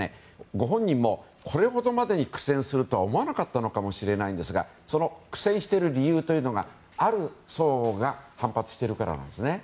ご本人もこれほどまでに苦戦するとは思わなかったのかもしれないんですがその苦戦している理由がある層が反発しているからなんです。